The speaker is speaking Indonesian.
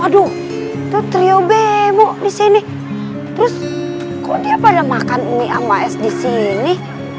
waduh itu trio bemo disini terus kok dia pada makan mie sama es di sini